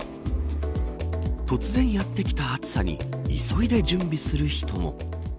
突然やってきた暑さに急いで準備する人も。